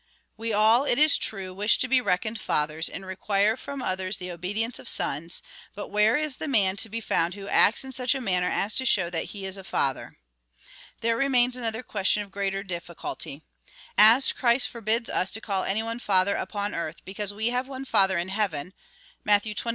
We all, it is true, wish to be reckoned fathers, and require from others the obedience of sons, but where is the man to be found who acts in such a manner as to show that he is a father f^ There remains another question of greater difficulty : As Christ forbids us to call any one father upon earth, because we have one Father in heaven, (Matt, xxiii.